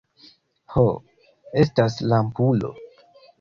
Ho, estas lampulo.